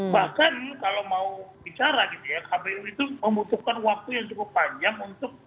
bahkan kalau mau bicara gitu ya kpu itu membutuhkan waktu yang cukup panjang untuk